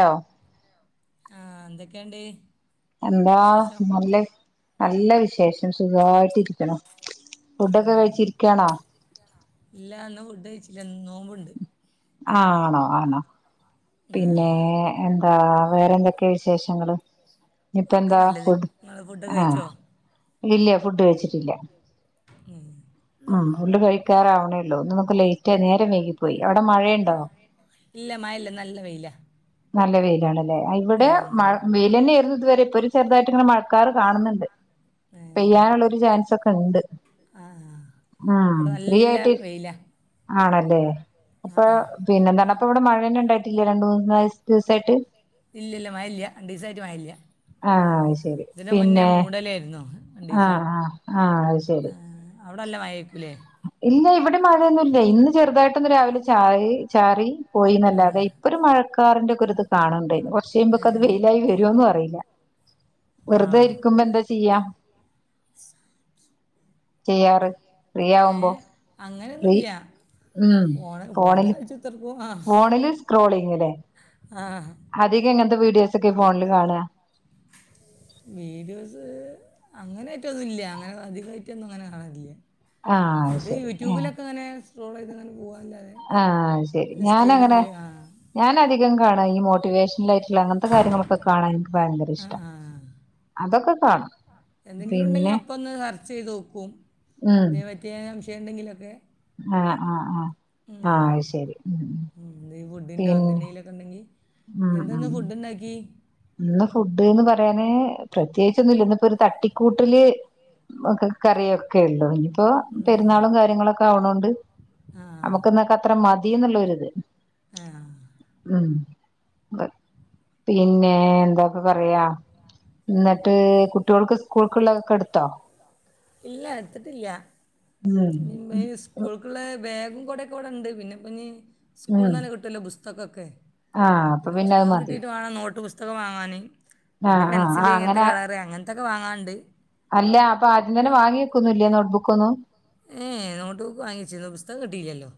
ഓ ആ എന്തൊക്കെയിണ്ട് എന്താ നല്ല നല്ല വി ശേഷം സുഖായിട്ടിരിക്കുണു ഫുഡൊക്കെ കഴിച്ചിരിക്കാണോ ഇല്ല ഇന്ന് നോമ്പുണ്ട് ആ ആണോ ആണോ പിന്നെ എന്താ വേറെന്തൊക്ക കേ വിശേഷങ്ങള് ഒക്കെ നല്ലത് നിങ്ങൾ ഫുഡ് കഴിച്ചോ ഇല്ല ഫുഡ് വെച്ചിട്ടില്ല ഉം ഉള്ള് കഴിക്കാറാവണേള്ളൂ ഇന്ന്മ്മക്ക് ലേറ്റ് ആ നേരം വൈകിപ്പോയി അവിടെ മഴയുണ്ടോ ല്ല്യ നല്ല വെയിലാണ് ഇവിടെ മഴ വെയിലെന്നെ ആരുന്നു ഇതുവരെ ഇപ്പൊ ഒരു ചെറുതായിട്ട് ഇങ്ങനെ മഴക്കാർ കാണുന്നുണ്ട് പെയ്യാനുള്ളൊരു ചാൻസൊക്കെ ഇണ്ട് ഉം ഫ്രീ ആയിട്ട് ആണല്ലേ അപ്പൊ പിന്നെന്താണ് അപ്പവിടെ മഴ അ ഉ [unintelligible] ല്ല്യ രണ്ടുമൂന്നുസായി ദിവസായിട്ട് ആ ശരി പിന്നെ ആ ആ ആ അത് ശരി അവിടെല്ല മയെകുംലേ ഇല്ല ഇവിടെ മഴയൊന്നുംല്ല ഇന്ന് ചെറുതായിട്ടൊന്ന് രാവിലെ ചാറി ചാറി പോയിന്നല്ലാതെ ഇപ്പൊ ഒരു മഴ കാറിന്റെ ഇകൊതോരു ഇത് കാണണ്ടാ ചെയ്യുമ്പൊക്കത് വെയിലായി വരൊന്നും അറിയില്ല വെറുതെ ഇരിക്കുമ്പോ എന്താ ചെയ്യാ ചെയ്യാറ് ഏ അങ്ങനെയൊന്നുല്ല ഫോണ് ഫോണ് കളിച്ചുത്രക്കു ഫോണില് സ്ക്രോളി [unintelligible] ആ അധികം എങ്ങനത്തെ വീഡിയോസ് ഒക്കെ ഫോണില് കാണാ വീഡിയോസ് അങ്ങനൊയിട്ടോന്നുല്ല അങ്ങനെ അധികയിട്ടൊന്നും അങ്ങനെ കാണറില്ല ആ അഹ് ശരി ആ ട്രോളെയ്ത്ങ്ങനെ പോവാ ആ അഹ് ശരി ഞാനങ്ങനെ ഞാനത് യും കാണാഈ മോട്ടിവേഷണലായിട്ട്- ള്ള അങ്ങനത്തെ കാര്യങ്ങളൊക്കെ കാണാൻ എനിക്ക് ഭയങ്കര ഇഷ്ട്ടാ അതൊക്കെ ആ എന്തെങ്കിലും ഉണ്ടെങ്കി അപ്പൊ ഒന്ന് സെർച്ച് ചെയ്ത് നോക്കും ഇതിന് പറ്റെ പറ്റെ ഉണ്ടെങ്കിലൊക്കെ ആ ആ ആ ആ അയ്ശരി ഉം ന്റോ എന്തിന്റെലൊക്കെ ഉണ്ടങ്കി എന്താന്ന് ഫുഡ്ണ്ടാക്കി ഇന്ന് ഫുഡ്ന്ന് പറയാന് പ്രത്യേകിച്ചൊന്നുല്ല ഇന്നപ്പോ ഒരു തട്ടിക്കൂട്ടല് കറിയൊക്കെല് ഇനിയിപ്പോ പെരുന്നാളും കാര്യങ്ങളൊക്കെ ആവണോണ്ട് നമുക്ക് ഇന്നൊക്കെ അത്ര തി ന്നുള്ളരിത് ആ ഉം പിന്നെ എന്താപ്പ പറയാ എന്നിട്ട് കുട്ടികൾക്ക് സ്കൂൾകുള്ളതൊക്കെ എടുത്തോ? ഇല്ല എടുത്തിട്ടില്ല മ് സ്കൂൾക്കുള്ള ബാഗും കൊടെ ടെണ്ട് പിന്നെപ്പിഞ്ഞി സ്കൂൾനെന്നെ കിട്ടൊല്ലോ പുസ് [unintelligible] ക്കെ ആഹ് അപ്പ പിന്നെ അത് മതി പുസ്തകമാങ്ങാന് പിന്നെ പെൻസില് ഇങ്ങനത്തെ കളറ് അങ്ങനത്തെ ക്കൊ വാങ്ങാണ്ട് അല്ല അപ്പൊ ആദ്യം തന്നെ വാങ്ങിക്കുന്നില്ലേ നോട്ട്ബുക്ക് ഒന്നും ഏഹ് നോട്ട് ബുക്ക് വാങ്ങിച്ചിന്ന് പുസ്തകം കിട്ടയില്ലല്ലോ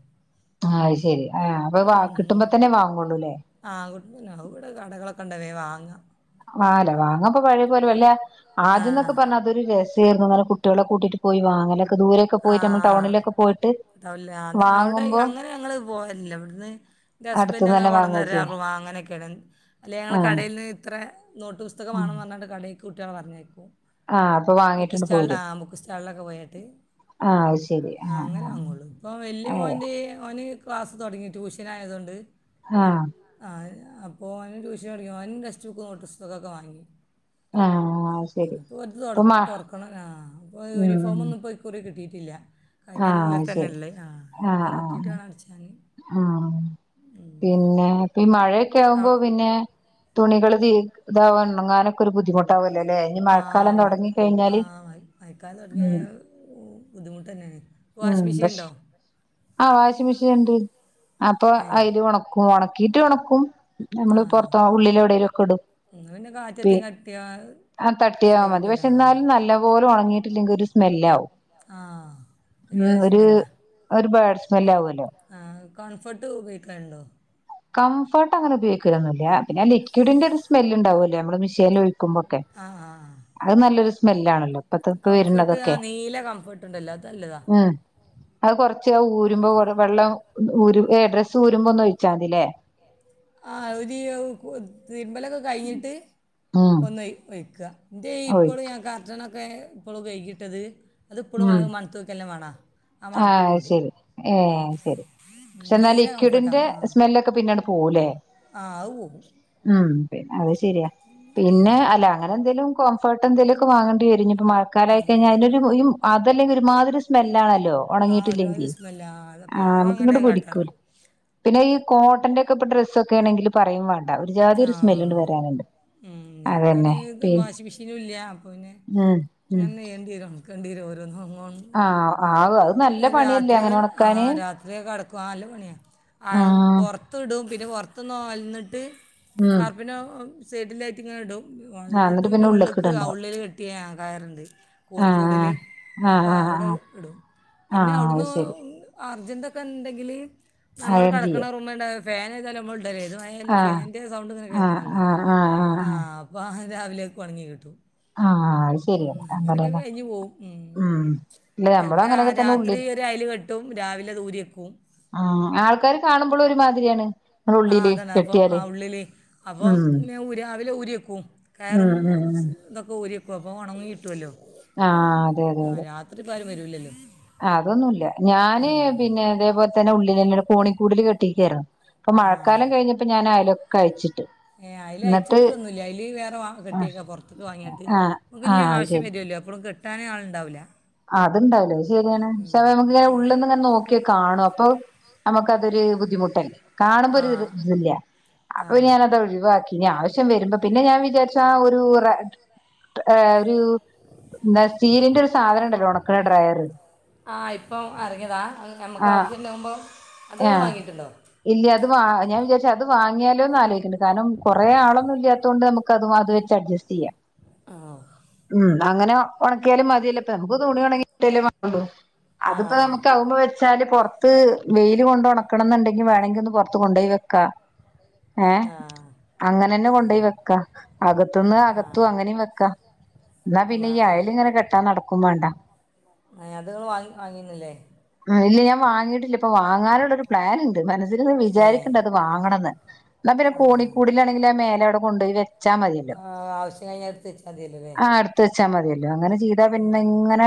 ആഹ് അത് ശരി ആഹ് അപ്പൊ വ കിട്ടുമ്പോ തന്നെ വാങ്ങള്ളൂല്ലേ കൊണ്ട് തേ വാങ്ങ വാല വാങ്ങപ്പോ പഴയ പോലും അല്ല ആദ്യന്നൊക്കെ പറഞ്ഞ അതൊരു രസ തീർന്നു ഇന്നലെ കുട്ട്യേളെ കൂട്ടിട്ട് പോയി വാങ്ങല് ആ തവില്ലെ അതാ അവിടെ അങ്ങനെ ഞങ്ങൾ പോവലില്ല ഇവ്ട്ന്ന് ന്റെ ഹസ്ബൻഡ് അങ്ങനെ കൊണ്ടന്നരാ [unintelligible] വാങ്ങനെയൊക്കെയണ് അല്ലെ ഞങ്ങള് കടയിൽന്ന് ഇത്ര നോട്ട് പുസ്തകമാണെന്ന് പറഞ്ഞിട്ട് കടയിക്ക് കുട്ട്യേളെ പറഞ്ഞേക്കു ബുക്ക് സ്റ്റാൾ ആ ബുക്ക് സ്റ്റാളിലൊക്കെ പോയിട്ട് ആ അഅ് ശെരി ആ ആ ഏ ക്ലാസ് തൊടങ്ങി ട്യൂഷനായതൊണ്ട് [unintelligible] അപ്പോ അവന്ന് ടൂഷ്യന് ടങ്ങി ഓൻ ടെസ്റ്റ് ബുക്ക് നോട്ട്സ്തകൊക്കെ വാങ്ങി ന്പ്പോ തുറ തുറക്കണ ആ ഇപ്പൊ യൂണിഫോമൊന്നും ഇപ്പൊ ഇക്കുറി കിട്ടീ ഇല്ല ആ അശരി ആ ആ ആ ആ പിന്നെ പ്പ ഈ മഴ ക്കാവുമ്പോ പിന്നെ തൊ തുണികള് തീക് താവാ ഒണ്ങ്ങാനൊക്കെ ഒരു ബുദ്ധിമുട്ടാവല്ലേ ആ [unintelligible] ആ വായി വായിക്കാൻ തുടങ്ങിയ ബുദ്ധിമുട്ട് തന്നെയാണ് ഉം പക്ഷെ ആ വാഷി മിഷീൻഉണ്ട് അപ്പൊ അയില് ഒണക്കും ഒണക്കീട്ട് ഒണ [unintelligible] നമ്മള് പൊറത്തോ ഉള്ളില എവിടെലും ഒക്കെ ഇടും പി ആ തട്ടിയാ മതി പക്ഷെ എന്നാലും നല്ല പോലെ ഉണങ്ങിയിട്ടില്ലെങ്കിൽ ഒരു സ് സ്മെല്ലാവും ആഹ ഉ ഒരു ഒരു പാടിഷ് ഹല്ലാവല്ല [unintelligible] ആ കംഫർട്ട് ഉപയോഗിക്കാറുണ്ടോ കംഫർട്ട് അങ്ങനെ ഉപയോഗിക്കൊലോന്നില്ല പിന്നെ ലിക്ഡിന്റെ ഒരു സ്മെല്ല് ഉണ്ടാവുമല്ലേ നമ്മുടെ മിഷ് ഷീൻ ഒഴിക്കുമ്പോക്കെ അത് നല്ലൊരു സ്മെല്ലാണല്ലോ കംഫർട്ട് ആ നീല കംഫർട്ട് ഉണ്ടല്ലോ അത് നല്ല ആ അത് കൊറ് ച്ച ഊരുമ്പോ കൊറെ ബെള്ളം ഊരു എ ഡ്രസ്സ് ഊരുമ്പോ ഒന്ന് ഒഴിച്ചാ മതില്ലേ ആഹ ഒരുതി [unintelligible] തിരുമ്പലൊക്കെ കഴിഞ്ഞിട്ട് ഒന്ന് ഒയ് ഒയ്ക്ക തേ ഇപ്പളും ഞാൻ കർട്ടനൊ ഒക്കെ ഇപ്പളും കൈകിട്ടത് അത് ഇപ്പളും അ മണത്തോക്കന്നെ മണാ ആ ശരി ഏ ശരി പക്ഷെ എന്നാ ലിക്വിഡിന്റെ സ്മെല്ലൊക്കെ പിന് ണ്ട്പോവൂലേ ആവുവോ അത് സത്യം ശരിയാ. പിന്നെ, അല്ല അങ്ങനെന്തേലും? കംഫർട്ട് എന്തേലു ഒക്കെ വാങ്ങേണ്ടി വരു ഇനി ഇപ് മഴക്കാലായിക്കഴിഞ്ഞാ അതിനൊരു ഉയിം ആ അതല്ലെങ്കി ഒരുമാതിരി സ്മെല്ലാണൽ ലോ ഒണങ്ങീട്ടില്ലെങ്കി. ആ നമുക്കങ്ങോട്ട് പിടിക്കൂല്ല. പിന്നെ ഈ കോട്ടന്റെയൊക്കെ ഇപ്പോ ഡ്രസ് ആഹ്. ഉം. ഞങ്ങക്കാണെ ഇത് വാഷിംഗ് മിഷ്യനും ഇല്ല്യ. അപ്പ പിന്നെ അങ്ങന്നെ ചെയ്യണ്ടി വരും. കണ്ടിരോരോന്ന് നമു കൊൺ, രാത്രിയൊക്കെ ആ രാത്രിയാ കെടക്കുവാ ആ നല്ല പണിയാ. ആ പൊറത്തിടുങ്ക് പിന്നെ പൊറത് ത്ത്ന്ന്‌ ആലുന്നിട്ട് വാർപ്പിന്റെ സൈഡിലായിട്ട് ഇങ്ങനെയിടും എന്ന്ട്ട് പിന്നെ ഉള്ള്ക്ക് ആ ഉള്ളില് കെട്ടിയ ആ കയറ്ണ്ട്. കോണിക്കൂടില്. അപ്പൊ അവിടെ ഇടും. പിന്നെ അവിടുന്ന് അർജന്റ് ഇപ്പ എന്തെങ്കില് നമ്മള് കടക്കണ റൂമേണ്ടാ ഫാനേതായാലും നമ്മളിട് അല്ലേ ഏത് മഴയായാലും ഫാന്റെ സൗണ്ട് ഇങ്ങനെ കേൾക്കണല്ലോ? ആ അപ്പം രാവിലേക്ക് ഒണങ്ങി കിട്ടു ആഹ് അത് ശരിയന്നെ. അങ്ങനെന്നെ. ഉം. ഇല്ല നമ്മളും അങ്ങനെയൊക്കെ തന്നെ ഉള്ളില്. ഉം ആൾക്കാര് കാണുമ്പോളു ഒരുമാതി തിരിയാണ് ആ അതന്നെ അപ്പൊ, ആ ഉള്ളില്. അപ്പം ഇങ്ങ് ഊരിയാ ല് ഊരി വെക്കും കയറും ഇതൊക്കെ ഊരിവെക് അപ്പംപ്പം ഒണങ്ങി കിട്ടുവല്ലോ? ആഹ് അതെ അതെ അതെ വരൂല്ലല്ലോ അതൊന്നുല്ല. ഞാന് പിന്നെ അതേപോലെ തന്നെ ഉള്ളി [unintelligible] കോണി കൂടില് കെട്ടി കേറണം. ആഹ്. ഏ അയലയച്ചിട്ട്ട്ടൊന്നുല്ല. അയല് വേറെ വാ കെട്ടിയേക്കാ പൊറത്തക്ക് വാങ്ങിയാട്ട്. നമുക്ക് ഇന്യും ആവശ്യം വരുവല്ലോ എപ്പളും കെട്ട് ട്ടാന് ആള്ണ്ടാവൂല്ല അതുണ്ടാവില്ല ശരിയാണ് പക്ഷെ അവ നമുക്ക്ങ്ങനെ ഉള്ളിന്ന് ഇങ്ങനെ നോക്കി കാണും അപ്പൊ നമുക്ക് അതൊരു ബുദ്ധിമുട്ടല്ലേ കാണുമ്പോൾ ഒരു ഇതില്ല ആപ്പോ പിന്നെ ഞാനത് ഒഴിവാക്കിനി ആവശ്യ ശ്യം വരുമ്പോ പിന്നെ ഞാൻ വിചാരിച്ചു ആ ഒരു റേ ഒരു എന്താ സീലിന്റെ ഒരു സാധനണ്ട ഓണക്കുന്ന ഡ്രയർ ആ ആ ഇല്ലാ അത് വാ ഞാൻ വിചാരിച്ചു അത് വാങ്ങിയാൽ ങ്ങിയാലോന്നലോയ്ക്കിണ്ട് കാരണം കുറെേ ആളൊന്നും ഇല്ല തോണ്ട് നമുക്ക്‌ അതും അത് വെച്ച് അഡ്ജസ്റ്റ് ചെയ്യാം ആ അങ്ങനെ ഉണക്കിയാലും മതിയല്ലോപ്പം നമ്മക്ക് തുണി ഒണങ്ങികിട്ടല്ലേമാണ്ടു അത്പ്പോ നമുക്ക് ആവുമ്പം വെ വച്ചാല് പൊറത്ത് വെയില് കൊണ്ട ഉണക്കണംന്നുണ്ടെങ്കിൽ വേണമെങ്കിൽ ഒന്ന് പുറത്ത് കൊണ്ട്പോയി വെക്ക ഏഹ അങ്ങനെന്നെ കൊണ്ടപോയി വെക്കാം അകത്തുന്ന് അകത്തും അങ്ങനും വെക്കാം എന്നാ പിന്നെ ഈ അയൽ ഇങ്ങനെ കെട്ടാൻ നടത്ത ഏ അത് ഇങ്ങൾ വാങ്ങി വാങ്ങിണ് ലെ ഇല്ല ഞാ വാങ്ങിയിട്ടില്ല ഇപ്പൊ വാങ്ങാനുള്ളൊരു പ്ലാൻ ഉണ്ട് മനസ്സിലിങ്ങനെ വിചാരിക്ക്ണ്ട് അത് വാങ്ങണംന്ന് എന്നാൽ പിന്നെ കോണിക്കൂടിലാണെങ്കിൽ ആ മേലെ അവിടെ കൊണ്ടോയി വെ ആ ആവശ്യം കഴിഞ്ഞ ഇട്തച്ചാ മതിയല്ലോല്ലേ ച്ചാ മതിയല്ലോ അങ്ങനെ ചെ പിന്നെ ഇങ്ങനെ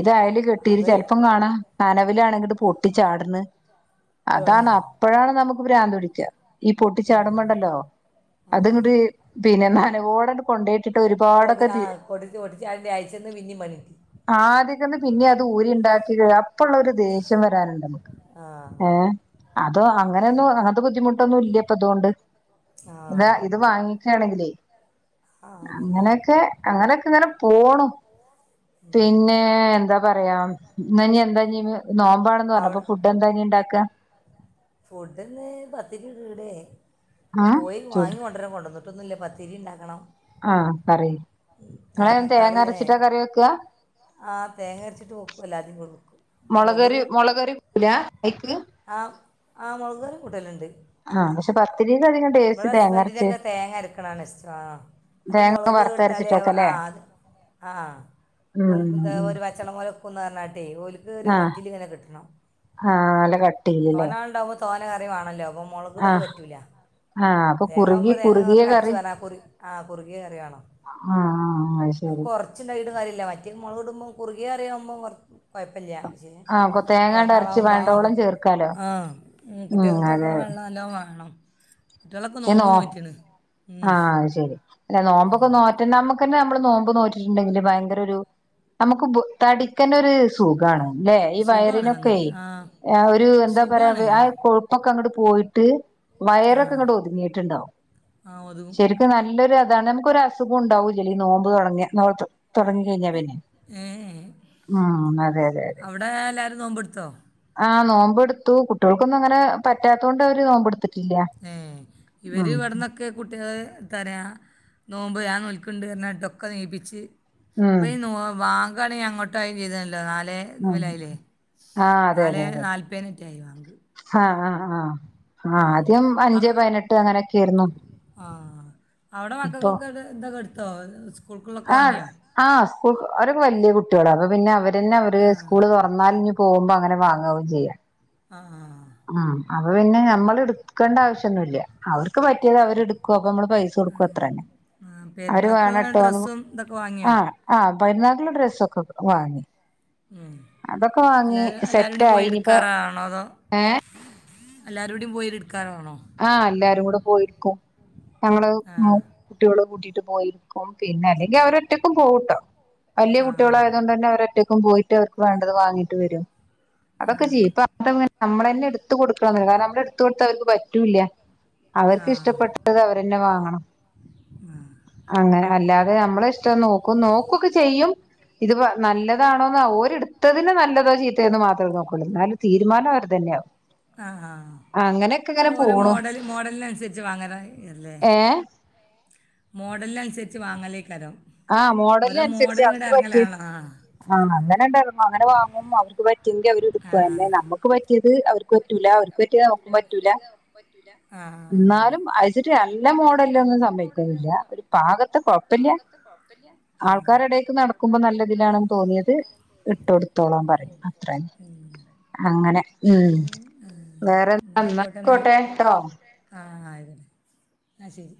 ഇത് അയല് കെട്ടി ചെൽപ്പം കാണാ നന അയിലാണെങ്കിൽ ഇത് പൊട്ടിച്ചാടണ്‌ അതാണ് അപ്പഴാണ് നമു പ്രാന്ത്‌ പിടിക്ക ഈ പൊട്ടിച്ചാടുമ്പോണ്ടല്ലോ അത്ങ്ങട്ട് പിന്നെ ന നനവോട കൊണ്ടയി ഓൾത് ഞാ പൊട്ടിച്ചു പൊട്ടിച്ചു ആയിൻ്റെ അയ്ച്ചെന്ന് പിന്നിം പണിട്ടി ആദ്യക്കന്ന് പിന്നെ അത് ഊരിണ്ടാക്കി രം ഇപ്പൊള്ളരു ദേഷ്യം വരാനുണ്ടമുക്ക് ഏ അതോ അങ്ങനെയൊന്നും അങ്ങത്തെ ബുദ്ധിമുട്ടൊന്നും ഇല്ലപ്പത്തോണ്ട് പിന്നെ ഇത് വാങ്ങിച്ചാണങ്കിലെ അങ്ങനെയൊക്കെ അങ്ങനെയൊക്കെ ഇങ്ങനെ പോണു പിന്നെ എന്ത പറയാം ഇന്നാ നി എന്താ നി നോമ്പാണന്ന് പറഞ്ഞപ്പം ഫുഡ് എന്താ ഇനി ഇണ്ടാക്ക ഫുഡന്ന് പത്ത് രൂരൂടെ പോയി വാങ്ങി കൊണ്ടരാ കൊണ്ടന്ന് ഇപ്പൊന്നുല്ല പത്തിരി ഇണ്ടാക്കണം ആഹ കറി നിങ്ങള് തേങ്ങ അരച്ചിട്ടാ കറി വെക്ക മൊളക് കറി മൊളക് കറി വെക്കൂല അയ്ക്ക് ആഹ് മൊളക് കറി കൂട്ടലുണ്ട് ആ പക്ഷെ പ ഇവിടെ ഹസ്ബന്റിനൊക്കെ തേങ്ങ അരക്കണതാണ് ഇഷ്ടം അത് മുളക് ഇട്ടാല് ആ അത് ആ ആ ഒരു പച്ചള്ള പോലെക്കും പറഞ്ഞാണ്ടെ ഓൽക്ക് ഒരു മുറ്റിലിങ്ങനെ കിട്ടണം റൊണാൾഡോവ് തോനെ കറി വാണല്ലോ മൊളകിടല് പറ്റൂല തേങ്ങാവുമ്പം തേങ്ങ അരച്ച് പാർന്നാൽ കുറു ആ കുറുകിയ കറി മാണം ആ കൊറച്ച് ഉണ്ടാക്കീട്ടും കാര്യല്ല വറ്റൽ മോളക്ടും കുറുകിയ കറിയാവുമ്പം വർ കൊഴപ്പല്ല്യാ പക്ഷേ തോനാളാകുമ്പോ ആ കു ആ ഉം കുട്ട്യേൾക്കൊക്കെ വെള്ളം നല്ലോ വാണം ശെനോ ആ ശരി അല്ല നോമ്പൊക്കെ നോറ്റാമ്മക്ക് പിന്നെ നമ്മള് നോമ്പ് നോറ്റിട്ടുണ്ടെങ്കിൽ ഭയങ്കര ഒരു നമുക്ക് തടിക്കണ്ടെ ഒരു സുഖാണ് ല്ലെ ഈ വയറിനൊക്കെ ഒരു എന്താ പറയാ ആ കൊഴുപ്പൊക്കങ്ങട്ട് പോയിട്ട് വയറൊക്കെങ്ങട്ട് ങ്ങീട്ട്ണ്ടാ ശരിക്കും നല്ല നല്ലൊരു അതാണ് നമുക്കൊരു അസുകോണ്ടാവില്ലടി നോമ്പ് തൊടങ്യാ നോമ്പ് തൊടങ്ങി കഴിഞ്ഞാ പിന്നെ ഊം അതെ അതെ അതെ ആ നോമ്പെടുത്തു കുട്ടികൾക്കൊന്നും അങ്ങനെ പറ്റാത്തതോണ്ട് അവര് നോമ്പെട്ത്ത് ഏ ഇവര് ഇവിടന്നൊക്കെ കുട്ടികൾ തരാ നോമ്പ് ഞാൻ നോൽക്ക്ണ്ണ്ട് പറഞ്ഞിട്ട് ട്ടൊക്കെ നീപ്പിച്ച് പിയി നോ വാക് പ്പാണേ അങ്ങോട്ടായ് ചെയ്ത നാലേ ത്മാലായ്ലെ നാലേ നാൽപ്പീന് ജയ് ബാങ്ക് ആഹ് ആഹ് ഹും ആ ആഹ് അവടെ മക്കക്കൊക്കെ എതാ കൊട്ത്തോ സ്‌ ആഹ് ആ സ്കൂൾക്ക് അവരൊക്കെ വല്യേ കുട്ടികള പിന്നെ അവര് ഡന്നെ അവര് സ്കൂള് തുറന്നാൽ നി പോകുമ്പോ അങ്ങനെ വാങ്ങാവും ചെയ്യാ ആ ആ ആ അപ്പൊ പിന്നെ നമ്മള് ഇട് ക്കണ്ട ആവശ്യന്നുല്ല അവർക്ക് പറ്റിയത് അവര് ഇട്ക്കും നമ്മള് പൈസ കൊടുക്കും അത്രന്നെ അവര് വേണംട്ടോന്ന് ആ ആ പെര്ന്നാക്ക്ള്ള ഡ്രസ്സൊക്കെ പ്പൊ വാങ്ങി ഹും എല്ലാരും എല്ലാരൂടി പോയി ഇട്ക്കാറാണോ അതോ എല്ലാരൂടി [unintelligible] ആ എല്ലാരും കൂടെ പോയിര്ക്കും ഞങ്ങള് ആ കുട്ടികള് കൂട്ടി പോയിര്ക്കും പിന്നെ അല്ലെങ്കി അവരൊറ്റക്കും പോകൂട്ടോ വല്യ കുട്ടികളായതൊണ്ടന്നെ അവരൊറ്റ പ്പോ പോയിട്ട് അവർക്ക് വേണ്ടത് വാങ്ങിട്ട് വെരും അതൊക്കെ ചെയ്യും ഇപ്പ [unintelligible] നമ്മളെന്നെ ഇട്ത്ത് കൊടുക്കണം കാരണം നമ്മള ഇട്ത്ത് കൊടുത്ത അവർക്ക് പറ്റ റ്റൂല്ല അവർക്ക് ഇഷ്ടപ്പെട്ടത് അവർന്നെ വാങ്ങണം അങ്ങനെ അല്ലാ തെ നമ്മളെ ഇഷ്ടം നോക്കും നോക്കൊക്കെ ചെയ്യും ഇത്പ്പൊ നല്ലതാണോന്ന് ഓരിടുത്തതിന് നല്ലതോ ചീത്തയോന്ന് മാത്രമേ നോക്കുള്ളൂ ന്നാലും തീരുമാനം അവർ തന്നെയ ആകും ആ ആ പോ ത് മോഡല് മോഡലിനനുസരിച്ച് വാങ്ങണ് എല്ലേ മോഡലിനനുസരിച്ച് വാങ്ങല് ആമോഡലിനനുസരിച്ച് അവക്ക് പറ്റി ആ അങ്ങനെ ഉണ്ടലൊ അങ്ങനെ വാങ്ങും അവർക്ക് പറ്റിയെങ്കി അവര്ടുക്കും അഎന്നെ നമ്മക്ക് പ റ്റിയത് അവർക്ക് പറ്റുല്ല അവ ഇല്ല ഓല്ക് പറ്റിയത് നമുക്ക് പറ്റൂല ആ ന്നാലും അയ്ച്ചിട്ട് നല്ല മോഡലിലൊന്നും സമ്മയിക്കൊന്നുല്ല പാകത്തെ ആൾക്കാരെടേക്ക് നടക്കുമ്പോ നല്ലതിനാണെന്ന് തോന്നിയത് ഇട്ടുടുത്തോളാൻ പറയും അത്രന്നെ അങ്ങനെ ഉം വേറെ അന്നായ്ക്കൊട്ടെ ട്ടോ ആ അതന്നെ അ ശരി